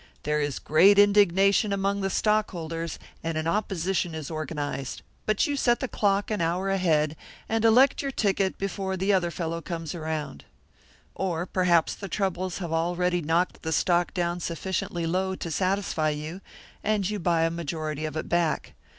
There is great indignation among the stockholders, and an opposition is organised, but you set the clock an hour ahead, and elect your ticket before the other fellow comes around. Or perhaps the troubles have already knocked the stock down sufficiently low to satisfy you, and you buy a majority of it back.